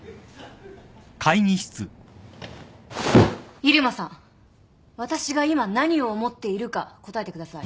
入間さん私が今何を思っているか答えてください。